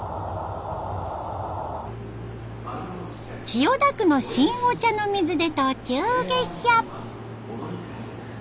千代田区の新御茶ノ水で途中下車。